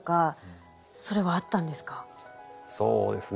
そうですね。